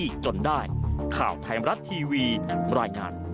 โปรดติดตามตอนต่อไป